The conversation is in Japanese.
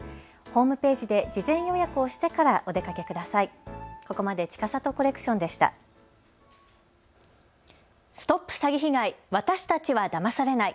ホームページで事前予約をしてからお出かけください。